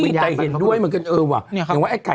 มีแต่เห็นด้วยเหมือนกันเออว่ะอย่างว่าไอ้ไข่